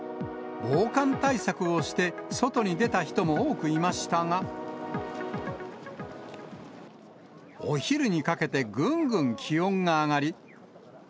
防寒対策をして外に出た人も多くいましたが、お昼にかけてぐんぐん気温が上がり。